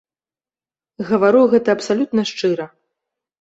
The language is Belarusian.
Гавару гэта абсалютна шчыра.